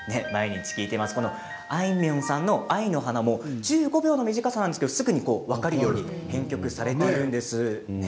あいみょんさんの「愛の花」も１５秒の短さなんですが分かるように編曲されているんです。